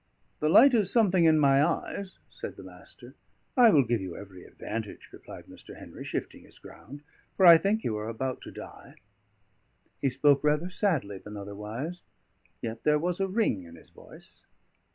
"The light is something in my eyes," said the Master. "I will give you every advantage," replied Mr. Henry, shifting his ground, "for I think you are about to die." He spoke rather sadly than otherwise, yet there was a ring in his voice.